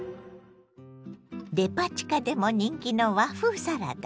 デパ地下でも人気の和風サラダ。